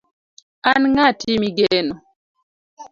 an ng'ati migeno